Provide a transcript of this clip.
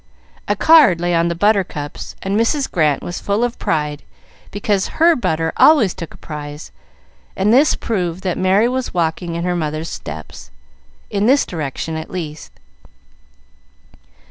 A card lay on the butter cups, and Mrs. Grant was full of pride because her butter always took a prize, and this proved that Merry was walking in her mother's steps, in this direction at least.